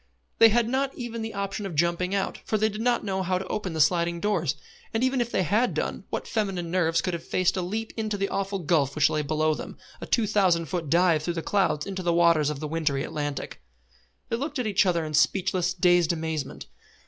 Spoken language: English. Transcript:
They had not even the option of jumping out, for they did not know how to open the sliding doors; and even if they had done, what feminine nerves could have faced a leap into that awful gulf which lay below them, a two thousand foot dive through the clouds into the waters of the wintry Atlantic? They looked at each other in speechless, dazed amazement.